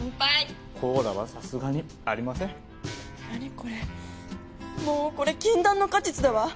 これもうこれ禁断の果実だわ。